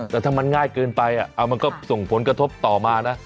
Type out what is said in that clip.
แต่ถ้ามันง่ายเกินไปมันก็ส่งผลกระทบต่อมานะ